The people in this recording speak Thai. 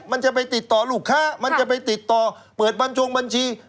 มันจะไปติดต่อลูกค้ามันจะไปติดต่อเปิดบัญชงบัญชี